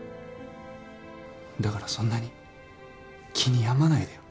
だからそんなに気に病まないでよ。